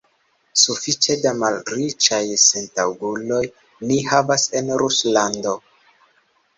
Sufiĉe da malriĉaj sentaŭguloj ni havas en Ruslando.